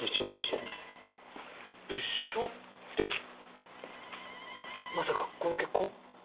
物証ってまさかこの血痕？